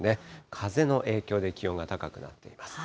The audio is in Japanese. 風の影響で気温が高くなっています。